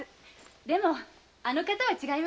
でもあの方は違います。